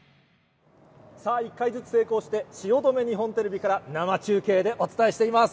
さあ、１回ずつ成功して、汐留、日本テレビから生中継でお伝えしています。